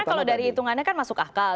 karena kalau dari hitungannya kan masuk akal